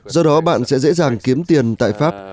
do đó bạn sẽ dễ dàng kiếm tiền tại pháp